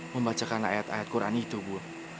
membacakan ayat ayat quran itu bu